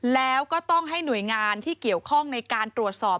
แล้วก็ต้องให้หน่วยงานที่เกี่ยวข้องในการตรวจสอบ